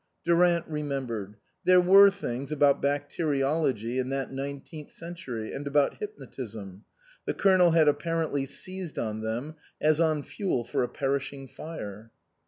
Durant remembered. There were things about bacteriology in that Nineteenth Century, and about hypnotism ; the Colonel had appa rently seized on them as on fuel for a perishing fire.